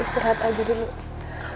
selamat aja dulu